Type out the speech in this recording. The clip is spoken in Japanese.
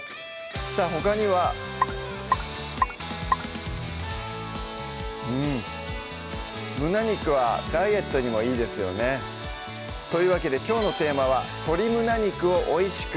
さぁほかにはうん胸肉はダイエットにもいいですよねというわけできょうのテーマは「鶏胸肉を美味しく！」